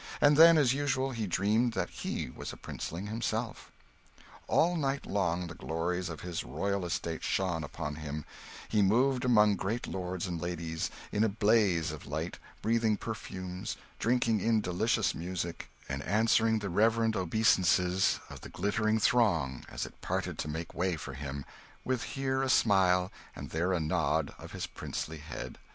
And then, as usual, he dreamed that he was a princeling himself. All night long the glories of his royal estate shone upon him; he moved among great lords and ladies, in a blaze of light, breathing perfumes, drinking in delicious music, and answering the reverent obeisances of the glittering throng as it parted to make way for him, with here a smile, and there a nod of his princely head.